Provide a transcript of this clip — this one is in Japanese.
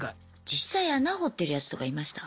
実際穴掘ってるやつとかいました？